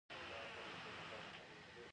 ایا زه باید حلوا وخورم؟